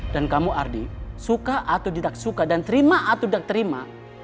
dan kamu ardi suka atau tidak suka dan terima atau tidak terima